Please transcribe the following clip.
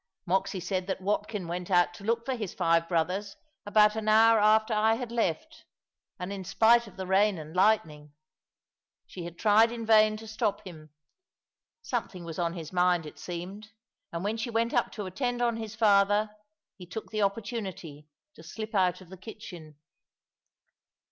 Moxy said that Watkin went out to look for his five brothers about an hour after I had left, and in spite of the rain and lightning. She had tried in vain to stop him: something was on his mind, it seemed; and when she went up to attend on his father, he took the opportunity to slip out of the kitchen.